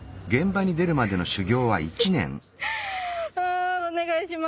あお願いします。